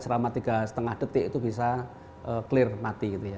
serangkaian tiga lima detik itu bisa clear mati